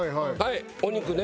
お肉ね。